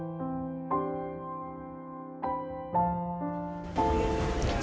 mereka harus berpikir dengan keinginan